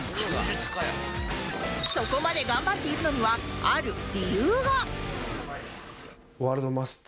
そこまで頑張っているのにはある理由が